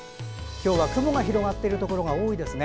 今日は雲が広がっているところが多いですね。